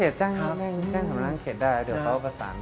สำนักงานเขตได้เดี๋ยวเขาประสาน